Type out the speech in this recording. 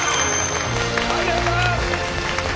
ありがとうございます。